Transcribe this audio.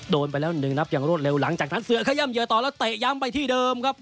โดนไปแล้วหนึ่งนับอย่างรวดเร็วหลังจากนั้นเสือขย่ำเหยื่อต่อแล้วเตะย้ำไปที่เดิมครับ